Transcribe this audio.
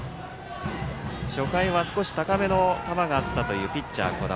初回は少し高めの球があったというピッチャー、小玉。